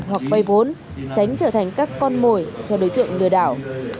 hoặc vây vốn tránh trở thành các con mồi cho đối tượng lừa đảo